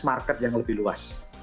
market yang lebih luas